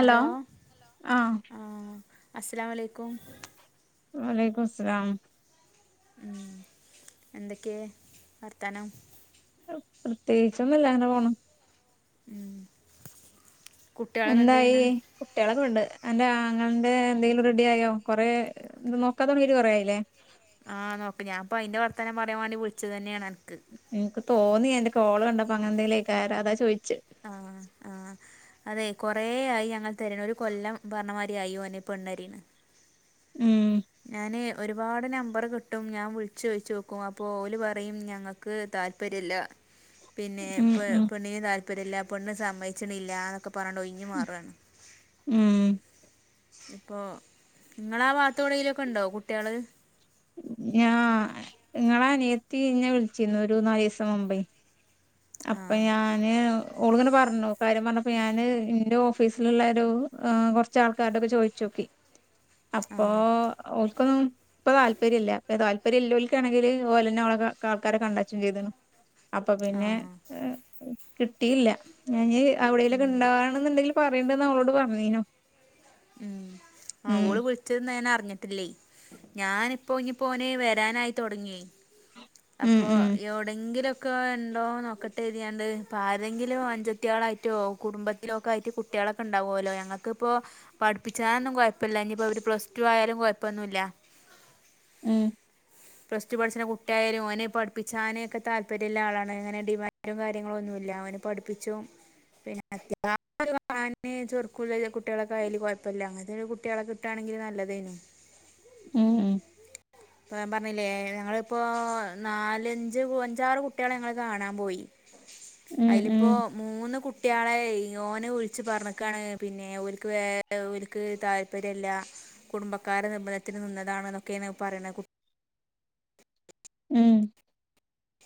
Hello ആഹ് ആഹ് അസലാം അലൈക്കും. വാ അലൈക്കും സലാം ഉം എന്തെക്കെ വർത്താനം? പ്രത്യേകിച്ചൊന്നുല്ല അങ്ങനെ പോണു ഉം കുട്ടികളൊക്കെ എന്ത് എന്തായി ചെയ്യണ് കുട്ടിളൊക്ക ഉണ്ട്. അന്റെ ആങ്ങളേൻ്റെ എന്തെങ്കിലും റെഡി ആയോ? കൊറേ ത് നോക്കാ തൊടങ്ങിട്ട് കൊറെയായില്ലേ? ആഹ് നോക്ക് ഞാൻ പ്പോ അയിന്റെ വർത്തനം പറയാൻ വേണ്ടി വിളിച്ചതന്നെയാണ്. എന്ക്ക് തോന്നി അന്റെ കോള് കണ്ടപ്പ അങ്ങനെന്തേല്അയ്ക്കാര അതാ ചോയിച്ചെ ആഹ് ആഹ് അതെ കൊറേയായി ഞങ്ങൾ തെരേണ് ഒരു കൊല്ലം പർണമാരിയായി ഓന് പെണ്ണ്എരിന്ന് ഉം ഞാന് ഒരുപാട് നമ്പറ് കിട്ടും ഞാൻ വിളിച്ചോയിച്ചോക്കും അപ്പോ ഓല് പറയും ഞങ്ങക്ക് താല്പര്യല്ല പിന്നെ ഉം പ് ഉം പെണ്ണിന് താല് പര്യല്ല പെണ്ണ് സമ്മയ്ച്ചിണില്ല ന്നൊക്ക പറണ്ടൊഴിഞ്ഞ് മാറാണ് ഉം ഇപ്പൊ ങ്ങളാവാത്തോടേയിലൊക്കെണ്ടോ കുട്ട്യാള് ഞാ ഇങ്ങളെ അനിയത്തിന്നെ വിളിച്ചിരുന്നു ഒരു നാലീസം മുമ്പേയ് ആ അപ്പൊ ഞാന് ഒള്ങ്ങനെ പർഞ്ഞു കാര്യം പർഞ്ഞപ്പോ ഞാന് ഇന്റെ ഓഫീസില്ള്ള ഒരു കൊർച്ചാൾക്കാരോടൊക്കെ ചോയ്ചോക്കി ആ അപ്പോ ഓൽക്കൊന്നുംപ്പ താല്പര്യല്ല താല്പര്യല്ലോൽക്കാണെങ്കില് ഓലെന്നെ ഓളെ ആൾക്കാരെ കണ്ടച്ചും ചെയ്തുണു അപ്പൊ ആ പിന്നെ [unintelligible] കിട്ടിയില്ല ഞാഞ്ഞി ഉം, അവിടേലൊക്കെണ്ടാവാണ് എന്നുണ്ടെങ്കിലും പറിണ്ട്ന്ന് അവളോട് പറഞ്ഞീനു ഉം ആ ഉം ഓള് വിൾച്ച്ന്നേനർ ഞ്ഞിട്ടില്ലേയ് ഞാനിപ്പോ ഇനി പോനെ വരാനായി തൊട്ങ്ങിയേയ് ഉം അപ്പൊ ഉം എവിടെങ്കിലും ക്ക ണ്ടോ നോക്കട്ടെ എതിയാണ്ട് ഇപ്പ ആരെങ്കിലും അഞ്ചത്യാളായിട്ടോ കുടുംബത്തിലൊക്കായിട്ട് കുട്ട്യാളൊക്കെ ണ്ടാവൂലോ ഞങ്ങൾക്കിപ്പോ പഠിപ്പിച്ചാനൊന്നും കൊഴപ്പല്ല ഇനിപ്പൊരു പ്ലസ് ടു ആയാലും കൊഴപ്പൊന്നുല്ല ഉം പ്ലസ് ടു പഠിച്ച്ണ കുട്ടിയായാലും ഓന് പഠിപ്പിച്ചാനൊക്കെ താല്പര്യള്ള ആളാണ് അങ്ങനെ ഡിമാൻറും കാര്യങ്ങളൊന്നുല്ല ഓന് പഠിപ്പിച്ചും പിന്നെ അത്യാ [unintelligible] ചുറുക്കുള്ള കുട്ട്യാളൊക്കെ ആയാല് കൊഴപ്പല്ല അങ്ങൻത്തെ കുട്ട്യാളെ കിട്ടാണെങ്കി നല്ലതേന് ഉം [unintelligible] ണ് ല്ലേ ഞങ്ങളിപ്പോ നാലഞ്ച് അഞ്ചാറ് കുട്ട്യാളെ ഞങ്ങള് കാണാൻ പോയി ഉം അതിലിപ്പോ ഉം മൂന്ന് കുട്ട കുട്ട്യാളെ ഓനെ വിളിച്ച് പറഞ്ക്കാണ് പിന്നെ ഓൽക്ക് വേ ഓൽക്ക് താല്പര്യല്ല കുടുംബക്കാര നിർബന്ധത്തിന് നിന്നതാണ് ന്നൊക്കെണ് പറയ്ണെ ഉം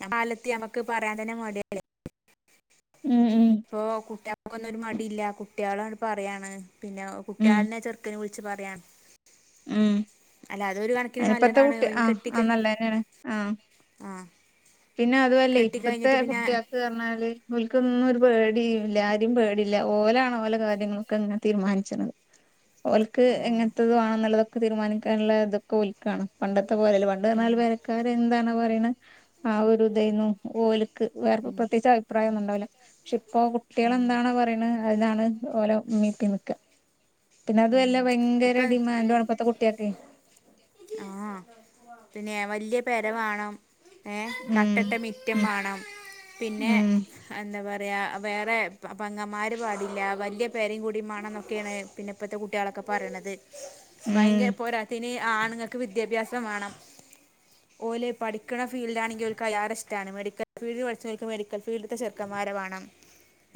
ആ കാലത്ത് ഞമ്മക്ക് പറയാന്തെന്നെ മടിയല്ലേ ഉം ഉം ഇപ്പൊ കുട്ട്യാക്കൊന്നൊരു മടില്ല കുട്ട്യാളാണ്ട് പറയാണ് പിന്നെ ഉം കുട്ട്യാളെന്നെ ചെറുക്കന് വി കുച്ച് പറയാം. ഉം അനിപ്പത്തെ നല്ലതാണ് കുട്ടി ഓന് ആഹ് ആ കെട്ടിക്ക നല്ലന്നെണ്. ആഹ് ആഹ് പിന്നെ അതുമല്ലേ കെട്ടി ഇപ്പത്തെ കഴിഞ്ഞിട്ട് പിന്നെ കുട്ടിയേൾക്ക് പറഞ്ഞാല് ഓൻക്ക് ഒന്നും ഒരു പേ ടിയൂല്ല. ആരും പേടില്ല. ഓലാണ് ഓല കാര്യങ്ങളൊക്കെ ഇങ്ങനെ തീരുമാനിച്ണത്. ഓല്ക്ക് ആഹ് എങ്ങനത്തത് വാണംന്നുള്ളത് ക്കെ തീരുമാനിക്കാനുള്ള ഇതൊക്കെ ഓൽക്കാണ്. പണ്ട ത്തെ പോലെല്ല. പണ്ട് ഉം പറഞ്ഞാൽ പെരക്കാര് എന്താണൊ പറിണത് ആ ഒരു ഇതേന്നു. ഓല് വേർ ഉം പ്രത്യേകിച്ച് അഭിപ്രായം ഒന്നും ഉണ്ടാവില്ല [unintelligible] ഇപ്പൊ കുട്ടികൾ ഉം എന്താണോ പറയണ് അതിനാണ് ഓരോ മീട്ടി നിക്ക പിന്നെ അതും ഉം അല്ല ഭയങ്കര ഇപ്പൊ ഡിമാൻഡും ആണ് ഇപ്പഴത്തെ കുട്ടികൾക്ക് ആഹ് പിന്നെ വലിയ പെര വേണം ഏഹ് കട്ടയിട്ട മിറ്റം ഉം വേണം പിന്ന ഉം എന്താ പറ വേറെ പെങ്ങന്മാർ പാടില്ല വലിയ പെരേം കൂടി മാണം എന്നൊക്കെയാണ് പിന്നെ ഇപ്പോഴത്തെ കുട്ടികളൊക്കെ പറയണത് ഭയങ്കര ഉം പോരാത്തതിന് ആണുങ്ങൾക്ക് വിദ്യാഭ്യാസം വേണം ഓല് പഠിക്കണ ഫീൽഡ് ആണെങ്കിൽ ഓല്ക്ക് അയാടെ ഇഷ്ടമാണ് മെഡിക്കൽ ഫീൽഡിൽ പഠിച്ചവർക്ക് മെഡിക്കൽ ഫീൽഡിത്തെ ചെറുക്കൻമാരേ വേണം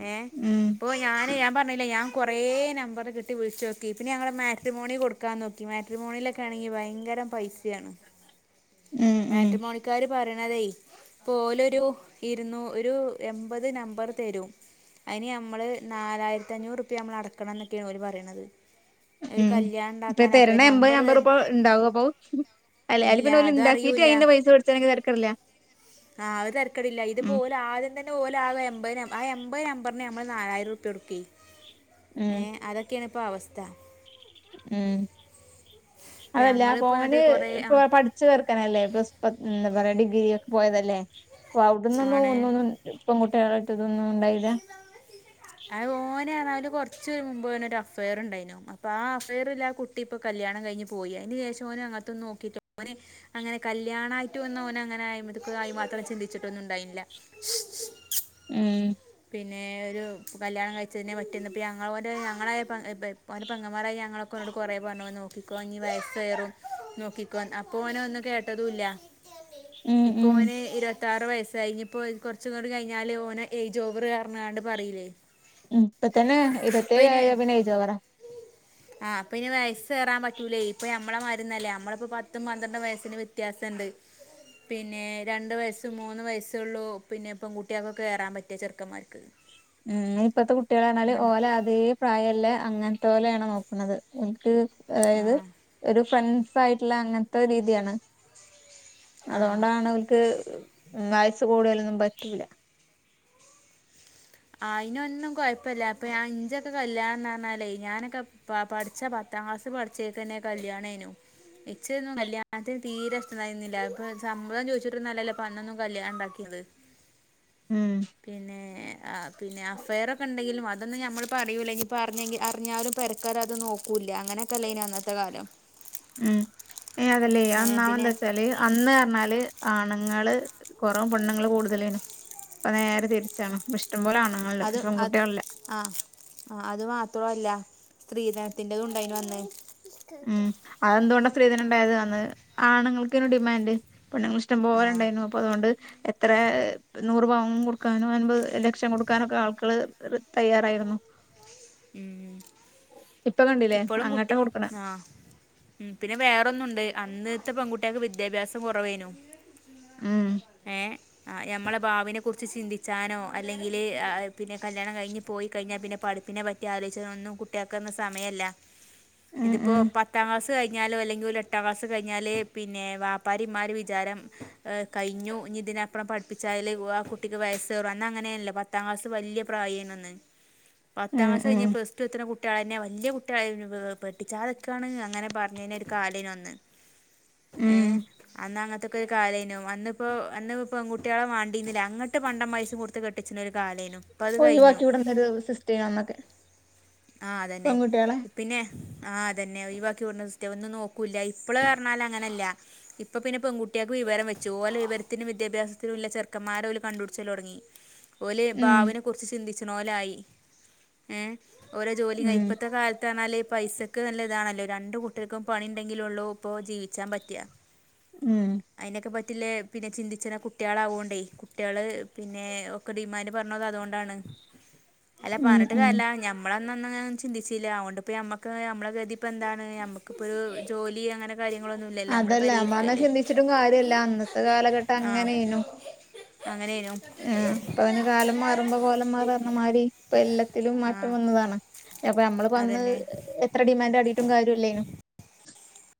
ഏഹ് ഉം ഇപ്പോ ഞാന് ഞാൻ പ ഞാൻ കുറേ നമ്പർ കി വിളിച്ച് നോക്കി പിന്നെ ഞങ്ങൾ മാട്രിമോണി കൊടുക്കാൻ നോക്കി മാട്രമോണിയിലൊക്കെ ആണെങ്കിൽ ഭയങ്കര പൈസയാണ് ഉം ഉം മാട്രിമോണിക്കാര് പറ പോലരു ഇരുന്നൂ ഒരു എൺപത് നമ്പർ തരും അതിനി നമ്മള് നാലായിരത്തി അഞ്ഞൂറ് നമ്മൾ അടക്കണം എന്നൊക്കെയാണ് ഓര് പ പറയണത് ഉം ഇപ്പൊ ഉണ്ടാക്കാനാ അപ്പൊ തരണ എമ്പത് നമ്പർ അമ്പത് തരും റുപ്യ ഉണ്ടാവും അപ്പൊ [unintelligible] ഇല്ല പിന്നെ ഓല് അത് ഇണ്ടാക്കിട്ട് അറിയൂല്ല അയിന്റെ പൈസ പിടിച്ചണെങ്കിൽ തരക്കേടില്ല ആഹ് അത് തരക്കേടില്ല ഇതിപ്പോ ഉം ഓല് ആദ്യം [unintelligible] ആ എൺപത് നമ്പറിന് നമ്മൾ നാലായിരം രൂപ്യ കൊടുക്കേ ഉം ഏഹ് അതൊ [unintelligible] അവസ്ഥ ഉം ഇപ്പം അതല്ല ഞങ്ങളിപ്പോൾ പോന് എന്നിട്ട് കുറേ ആ ഇപ്പൊ പഠിച്ചു [unintelligible] വേറെ ഡിഗ്രി ഒക്കെ പോയതല്ലേ അപ്പോ അവിടുന്നൊന്നും ആണ് ഒന്നും പെൺകുട്ടികളായിട്ട് ഇതൊന്നും ഉണ്ടായി അത് ഓനാ കുറച്ച് മുമ്പ് അവനൊരു അഫയർ ഉണ്ടായിരുന്നു അപ്പൊ ആ അഫയറിലെ ആ കുട്ടി ഇപ്പോ കല്യാണം കഴിഞ്ഞ് പോയി അതിന് ശേഷം ഓൻ [unintelligible] ഓന് അങ്ങനെ കല്യാണായിട്ട് ഒന്നും ഓനങ്ങനെ [unintelligible] ചിന്തിച്ചിട്ടൊന്നും ഉണ്ടായില്ല ഉം പിന്നെ ഒരു കല്യാണം കഴിച്ചതിനെ [unintelligible] ഓന് പെങ്ങമ്മാരായി ഞങ്ങൾ [unintelligible] കൊറേ പറഞ്ഞു നോക്കിക്കോ നീ വയസ് കയറും നോക്കിക്കോ അപ്പോ ഓൻ ഒന്നും കേട്ടതും ഇല്ല ഉം ഇപ്പോ ഉം ഓന് ഇരു ത്താറ് വയസ് ആയി ഇനിയിപ്പോ കുറച്ചും കൂടി കഴിഞ്ഞാല് ഓന് എ [unintelligible] പറയിലേ ഉം ഇപ്പ തന്നെ പിന്നെ ഇരുപത്തേഴായ ഏജ് ഓവറാ ആഹ് പിന്നെ വയസ് കയറാൻ പറ്റൂലേ ഇപ്പ നമ്മളെ മാരിന്നൊല്ല നമ്മളിപ്പോ പത്തും പന്ത്രണ്ടും വയസ്സിന് വ്യത്യാസണ്ട്. പിന്നെ രണ്ട് വയസ്സ് മൂന്ന് വയസ്സുള്ളൂ പിന്നെ ഇപ്പം കുട്ടികൾക്കൊ കേറാ റ്റും ചെറുക്കമാര്ക്ക് ഉം ഇപ്പത്തെ കുട്ടികളാഞ്ഞാല് ഓലെ അതേ പ്രായല്ലേ അങ്ങനെ ത്തോലാണ് നോക്കണത് ട്ട് അതായത് ആ ഒരു ഫ്രണ്ട്സ് ആയിട്ടുള്ള അങ്ങൻത്തെ രീതിയാണാ ആഹ് അതുകൊണ്ടാണ് ഓല്ക് വയസ്സ് കൂടിയാലൊന്നും പറ്റൂല്ല ആയിനൊന്നും കൊഴപ്പല്ല അപ്പേ ഞാൻ എഞ്ചൊക്കെ കല്യാണംന്ന് പറഞ്ഞാലേ ഞാനൊക്കെ പ പഠിച്ചാ പത്താം ക്ലാസ് പഠിച്ചേക്കന്നെ കല്യാണേനു ഇച്ച്ന്നും കല്യാണത്തിന് തീരെ ഇഷ്ടരുണ്ടാരുന്നില്ല ഇപ്പേ ചമ്മതം ചോയിച്ചിട്ര് നഅല്ലല്ലോ പ അന്നൊന്നും കല്യാണഉണ്ടാക്കിയത് ഉം പിന്നെ ആഹ് പിന്നെ അഫ്‌യർ ഒക്കെ ഉണ്ടെങ്കിലും അത് അതൊന്ന് ഞമ്മള് പറയൂലെങ്കിൽ പറഞ്ഞങ്കി അറിഞ്ഞാലും പെരക്കാര് അത് നോക്കൂല്ല അങ്ങനക്ക ലൈനാ അന്നത്തെ കാലം ഉം ഏഹ് അതല്ലേ യ ഏഹ് ഒന്നാമെന്ത് പിന്നെ വെച്ചാലെ അന്ന് പർഞാല് ആണുങ്ങള് കൊറവും പെണ്ണുങ്ങള് കൂടുതലേനും ഇപ്പ നേരെ തിരിച്ചാണ് പഷ് അത് അത് ആഹ് ആഹ് അത് മാത്രോ അല്ല സ്ത്രീധനത്തിന്റതും ഉണ്ടായിനു അന്ന് ഉം അത് എന്തുകൊണ്ടാ സ്ത്രീധനംണ്ടായത് ന്ന് ആണുങ്ങൾക്കെന്ന ഡിമാൻഡ് പെണ്ണുങ്ങള് ഇഷ്ടം പോലെ ആഹ് ഉണ്ടായിന്നു അപ്പോ അതുകൊണ്ട് എത്രേ നൂറ് പവും കൊടുക്കാനും അൻപത് ലക്ഷം കൊടുക്കാനൊക്ക ആൾക്കള് ത്‌റ് തയ്യാറായിരുന്നു ഉം ഇപ്പൊ കണ്ടില്ലേ ഇപ്പോളും അങ്ങട്ടാ കുട്ടി കൊടുക്കണെ ആഹ് ഉം പിന്നെ വേറ ഒന്നുണ്ട് അന്ന്ത്തെ പെങ്കുട്ടികക്ക് വിദ്യാഭ്യാസം കൊറവേനു ഉം ഏഹ് ഞമ്മളെ ബാവിനെക്കുറിച്ച് ചിന്തിച്ചാനോ അല്ലെങ്കില് ആഹ് പിന്നെ കല്യാണം കഴിഞ്ഞ് പോയികഴിഞ്ഞാ പിന്നെ പഠിപ്പിനെപ ത്യാലോയിച്നൊന്നും കുട്ടിയാക്ക് ഒന്നും സമയല്ല ഉം ഇതിപ്പോ ഉം പത്താം ക്ലാസ് ത് കഴിഞ്ഞാലോ അല്ലെങ്കി ഒരു എട്ടാം ക്ലാസ്സ് കഴിഞ്ഞാല് പിന്നെ വാപ്പാരെംമ്മാരേം വിചാരം കഴിഞ്ഞു ഇതിനപ്പുറം പഠിപ്പിച്ചാല് വ്വാ ആ കുട്ടിക്ക് വയസേറും അന്ന് അങ്ങനെ അല്ലേ പത്താം ക്ലാസ്സ് വല്യയ പ്രായേന്ന് അന്ന് പത്താം ഉം ക്ലാസ് കഴിഞ്ഞ് ഉം പ്ലസ്ടു എത്തന കു കുട്ടികളന്നെ വല്യയ കുട്ടി ആയീനുവ് പെട്ടിച്ചാതൊക്കാണ് അങ്ങനെ പറഞ്ഞെന് ഒരു കാലേനു അന്ന് ഉം ഏഹ് അന്നാങ്ങ [unintelligible] അന്നപ്പോ അന്ന് പെങ്ങുട്ടികളെ വാണ്ടിനില ആഗട്ട് പണ്ടൊമ് പൈസേം കൊടുത്ത് കെട്ടിച്ചിനേലും ഓയിവാക്കി വിടണ്ടൊരു സിസ്റ്റം [unintelligible] ആഹ് അത് തന്നെ പിന്നെ ആഹ് അത് തന്നെ ഒഴിവാക്കി വിടണ സിസ്റ്റം ഇന്ന് നോക്കൂല്ല ഇപ്പോളെ പറഞ്ഞാല് അങ്ങനല്ല ഇപ്പൊ പിന്നെ പെൺകുട്ടിയക്ക് വിവരം വെച്ചു ഓലെ വിവരത്തിനും വിദ്യാഭ്യാസത്തിനും ഒള്ള ചെറുക്കന്മാര കണ്ടുപടിച്ചല് തൊടങ്ങി ഓലെ ഉം ബാവിനെ കുറിച്ച് ചിന്തി ച്ചിനോലായി ഏഹ് ഓരോ ജോലി ഉം ഇപ്പഴത്തെ കാലത്താണാല് പൈസക്ക് നല്ല ഇതാണല്ലോ രണ്ട് കുട്ടികൾക്കും പണി ണ്ടെങ്കിലെ ഒള്ളൂ ഇപ്പോ ജീവിച്ചാൻ പറ്റിയ ഉം അയിനൊക്കെ പ വീട്ടിലെ പിന്നെ ചിന്തിച്ച കുട്ടികള ആവോണ്ടേ കുട്ടികള് പിന്നെ ഒക്കെ ഡിമാൻഡ് പറഞ്ഞത് അതൊണ്ടാണ് അല്ല ഉം പറ ത് ഉം അല്ല ഞമ്മള് അന്നൊന്നും അങ്ങനെ ചിന്തിച്ചില്ല അതുകൊണ്ട്പ്പോ മ്മക്ക് നമ്മുടെ ഗതി ഇപ്പോ എന്താണ് ഞമ്മക്കിപ്പോ ഒരു ജോലി അങ്ങനെ കാര്യങ്ങളൊന്നും ഇല്ലല്ലോ നമ്മൾ അതല്ല നമ്മളന്നാ പെരയിരിക്കല്ലേ ചിന്തിച്ചിട്ടും കാര്യല്ല അന്നത്തെ കാലഘട്ടം ആ അങ്ങനെയ്നു അങ്ങനെയേനു ആ ഇപ്പം കാലം മാറുമ്പോ കോലം മാറന്ന മാതിരി ഇപ്പ എല്ലാത്തി ആ മാറ്റം വന്നതാണ് അപ്പൊ നമ്മള് അന്ന് അതന്നെ എത്ര ഡിമാൻഡ് കടിട്ടും കാര്യല്ലേ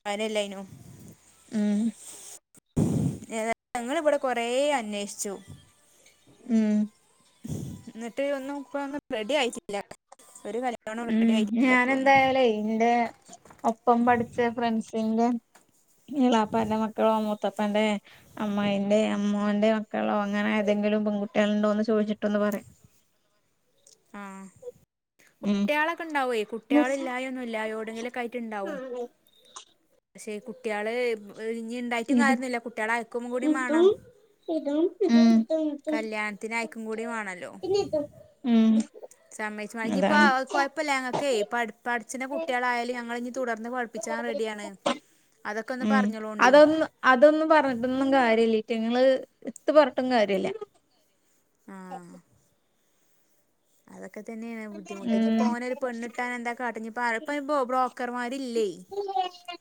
അയനെല്ലെനു ഉം ഞങ്ങളിവിടെ കൊറേ അന്വേഷിച്ചു ഉം എന്നിട്ട് ഒന്നും ഇപ്പൊന്നും റെഡി ആയിട്ടില്ല ഒരു കല്യാണം റെഡി ഉം ആയിട്ടില്ല ഞൻ ഇപ്പോഴൊന്നും എന്തായാലേ ഇന്റെ ഒപ്പം പഠിച്ച ഫ്രണ്ട്സിന്റെ ളാപ്പാന്റെ മക്കളോ മൂത്ത പ്പൻ്റെ അമ്മായിന്റെ അമോന്റെ മക്കളോ അങ്ങനെ ഏതെങ്കിലും പെൺകുട്ടികളുണ്ടോ എന്ന് ചോദിച്ചിട്ടൊന്ന് പറയാ ആഹ് കുട്ട്യാളൊക്കെ ഉണ്ടാവ്‌വേ കുട്ട്യാളില്ലായൊന്നുമില്ലാ എവിയോടെങ്കിലും ആയിട്ട് ഉണ്ടാവും പക്ഷേ കുട്ട്യാള് ഇനി ഇണ്ടായിട്ടും ഇത് കാര്യന്നുമില്ല കുട്ട്യാള് അയക്കും കൂടി വേണം ഉം കല്യാണത്തിന് അയക്കും കൂടി വേണല്ലോ ഉം സമയിച്ച ഇനിപ്പം അതാണ് കൊഴപ്പില്ല ഞങ്ങക്കേ പഠിച്ച പഠിക്കുന്ന കുട്ട്യാളായാലും ഞങ്ങ ഇനി തുടർന്ന് പഠിപ്പിച്ചാൻ റെഡിയാണ് അതൊക്കെ ഒന്ന് ഉം പറഞ്ഞോളോണ്ടി അതൊന്ന് അതൊന്നും പറഞ്ഞിട്ടൊന്നും കാര്യമില്ല ഇങ്ങള് ത്ത് പറഞ്ഞിട്ടും കാര്യല്ല ആഹ് ഉം ബുദ്ധിമുട്ട് ഇനിയിപ്പോ ഓനൊരു പെണ്ണിട്ടാൻ എന്താ കാട്ട ഇനിയിപ്പോ ഇപ്പൊ ബ്രോക്കർമാരില്ലേ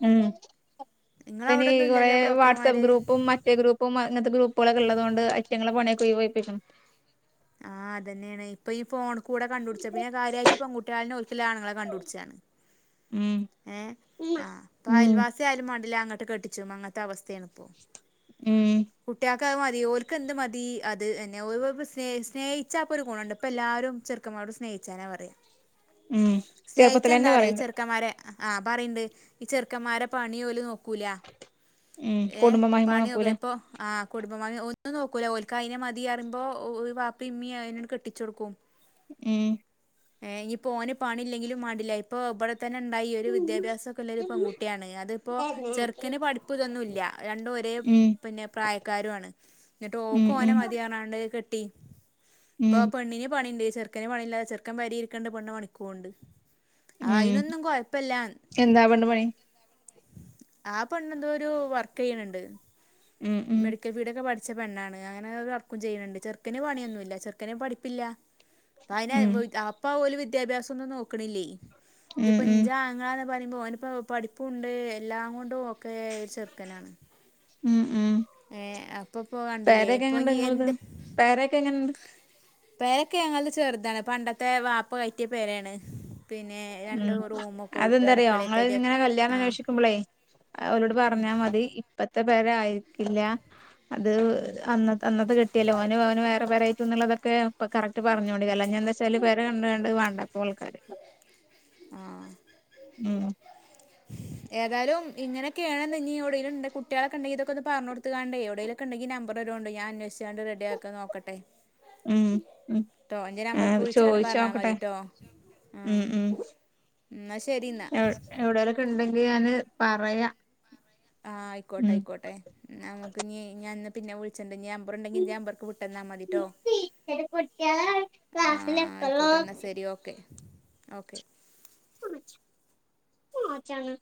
ഉം നിങ്ങള പ്പയ്ന് അവിടൊന്നും കൊറേ ഇല്ലല്ലോ വാട്സആപ്പ് ബ്രോക്കർമാര് ഗ്രൂപ്പും മറ്റേ ഗ്രൂപ്പും അങ്ങനത്തെ ഗ്രൂപ്പുംക്കെ ഉള്ളത് കൊണ്ട് അറ്റങ്ങളെ പണിയൊക്കെ പോയി പോയി [unintelligible] ആഹ് അതന്നെയാണ് ഇപ്പൊ ഈ പോ കൂടെ കണ്ടു പിടിച്ച പിന്നെ കാര്യായിട്ട് പൺുട്ടികളെ ഓൽക്ക്ള്ള ആണുങ്ങളെ കണ്ടപിടിച്ചാണ് ഉം ഏ ആ അപ്പൊ ഉം അയൽവാസി ആയാലും ല്ല അങ്ങട്ട് കട്ടിച്ചും അങ്ങത്തെ അവസ്ഥ ഉം കുട്ട്യാ മതി ഓൽക്ക്ന്ത് മതി അത് എന്നെ ഓല് സ്‌നേ സ്നേഹിച്ചാ അപ്പൊ ഒരു ഗുണുണ്ട് ഇപ്പൊ എല്ലാരും ചെറുക്കമാരോട് സ്നേഹിച്ചാനാ പറയാം ഉം ചെറുപ്പത്തി എന്നെ പറയണ്ട് ആഹ് പറയണ്ട് ഈ ചെറുക്കന്മാരെ പണി പോലും നോക്ക കൂല ഉം ഏ കുടുംബ മഹിമ പണി നോക്കൂല ഇപ്പോൾ ആ കുടുംബമാ ഒന്നും നോക്കൂല ഒൽക്ക അയ്നെ മതിയറുമ്പോൾ പിമ്മിയ അതിനോട് കെട്ടിച്ചു കൊടുക്കും ഉം ഇനി പോ ഓന് പണില്ലെങ്കിലും മാണ്ടില്ല ഇപ്പൊ ഇവിടെ തന്നെ ഉണ്ടായി ഈ ഒരു വിദ്യാഭ്യസൊക്കെ ഉള്ള ഒരു പെകുട്ടിയാണ് അതിപ്പോ ചെറുക്കന് പഠപ്പ് തൊന്നും ഇല്ല രണ്ടും ഒരേ ഉം പിന്നെ പ്രായക്കാരുണ് എന്നിട്ട് ഓക്ക് ഉം ഓനെ ഉം മതിയാണാണ്ട് കുട്ടി ഇപ്പൊ ഉം പെണ്ണിന് പണിണ്ട് ചെറുക്കന് പണില്ലാതെ ചെറുക്കൻ പെരെയിരിക്കണ്ട് പെണ്ണ് പണിക്കൊണ്ട് ഉം എന്താ പെണ്ണ് പണി ആ പെണ്ണ് എന്തോ ഒരു വർക്ക് ചെയ്യണണ്ട് ഉം ഉം മിടക്ക വിടെക്ക പട പച്ച പെണ്ണാണ് അങ്ങനെ വർക്കും ചെയ്യുന്നുണ്ട് ചെറുക്കന് പണിയൊന്നുല്ല ചെറുക്കന് പഠിപ്പില്ല അയിന ഉം അപ്പാ ഓല് ദ്യാഭ്യാസൊന്നും നോക്കണില്ലേ ഉം ഇത്പ്പ ഉം ഇഞ്ചാങ്ങള പറയുമ്പോ ഓനിപ്പോ പഠിപ്പുണ്ട് എല്ലാം കൊണ്ടും ഒ ഒക്കെ ചെറുക്കനാണ് ഉം ഉം ഏ അപ്പൊ പോകണ്ടില്ലേ പേരൊക്കെ ഇപ്പൊ എങ്ങണ്ട് നീ നിങ്ങളത് എന്ത് പേരൊക്കെ എങ്ങനെണ്ട് പേരൊക്കെ ഞങ്ങ ചെറുതാണ് പണ്ടത്തെ വാപ്പ കയറ്റിയ പേരാണ് പിന്നെ രണ്ട് ഉം റൂമൊക്കെ ഉള്ളൂ അതെന്താറിയോ അടുക്കളയൊക്കെ നിങ്ങള് ആയിട്ട് ഇങ്ങനെ കല്യാണം ആ അന്വേഷിക്കുമ്പോളേ അവരോട് പറഞ്ഞാ മതി ഇപ്പത്ത പേര ആയിരിക്കില്ല അത് അന്ന അന്നത്തെ കിട്ടിയല്ലോ ഓനും അവന വേ ഇ പരന്നുള്ളതൊക്കെ കറക്ട് പറഞ്ഞോണ്ടിക്കല്ലന്താ വെച്ചാല് പെരെ കണ്ട കണ്ടത് വേണ്ടപ്പോ ആൾക്കാര് ആ ഉം ഏതായാലും ഇങ്ങനെക്കെണെന്ന് ഇനി എവിടെണ്ട് കുട്ട്യാളെക്കെണ്ടെങ്കിൽ ഇതൊക്കെന്ന് പറഞ്ഞൊടുത്തുകാണ്ടേ എവിടേലൊക്കെണ്ടെങ്കിൽ നമ്പറെരൊണ്ടു. ഞാൻ അന്വേഷി ചാണ്ട് റെഡി ആക്കാൻ നോക്കട്ടെ ഉ, ട്ടോ എൻ്റെ നമ്പർക്ക് വിളിച്ചാണ്ട് പറഞ്ഞാൽ ചോദിച്ചോോക്കട്ടെ മതിട്ടോ ആ ഉ- ഉ എന്നാൽ ശരി എന്നാൽ എവ് എവിടെലൊക്കെ ണ്ടെങ്കിൽ ഞാാന് പറയാ- ആഹ ഐക്കോട്ടയ്ക്കോട്ടെ നമുക്ക്ഞ് ഞാന്ന് പിന്നെ വിളിച്ചണ്ട് ഞ്ഞം മ്പർ ഉം ണ്ടെങ്കിൽന്തന്റെമ്പേർക്ക് വിട്ടന്നാൽ മതി ട്ടോ ടീച്ചർ കുട്ടികളെ ആ ക്ലാസ്സിൽ എപ്പോഴും ആയിക്കോട്ടൊൽ ശരി ഓക്കെ- ഓക്കെ [unintelligible] പൊ അച്ചാ ന്ന്